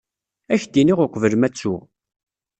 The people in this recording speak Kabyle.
Ad ak-d-iniɣ uqbel ma ttuɣ.